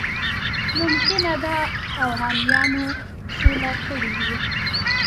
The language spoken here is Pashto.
ممکنه ده اوغانیانو سوله کړې وي.